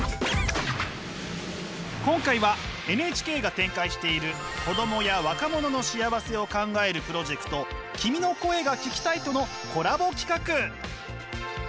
今回はＮＨＫが展開している子どもや若者の幸せを考えるプロジェクト「君の声が聴きたい」とのコラボ企画。